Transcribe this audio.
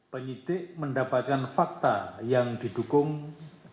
pengitik mendapatkan fakta yang didukung dengan anggaran dprd sumatera utara